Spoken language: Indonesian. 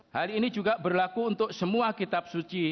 hari ini juga berlaku untuk semua kitab suci